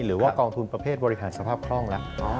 หรือว่ากองทุนประเภทบริหารสภาพคล่องแล้ว